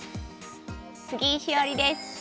杉井志織です。